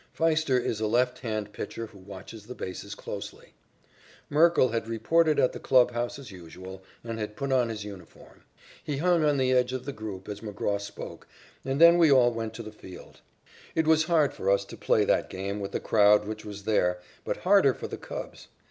Pfiester is a left hand pitcher who watches the bases closely. Merkle had reported at the clubhouse as usual and had put on his uniform. He hung on the edge of the group as McGraw spoke, and then we all went to the field. It was hard for us to play that game with the crowd which was there, but harder for the Cubs.